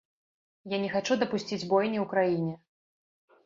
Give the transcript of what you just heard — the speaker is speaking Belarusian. Я не хачу дапусціць бойні ў краіне.